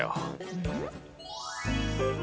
うん？